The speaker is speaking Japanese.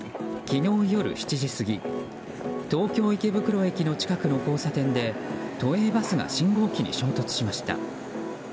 昨日夜７時過ぎ東京・池袋駅の近くの交差点で都営バスが信号機に衝突しました。